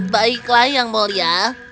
baiklah yang mulia